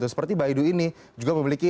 seperti bayu ini juga memiliki